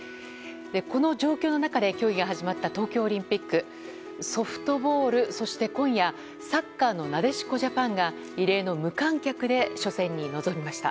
この状況の中で競技が始まった東京オリンピックソフトボールそして今夜、サッカーのなでしこジャパンが異例の無観客で初戦に臨みました。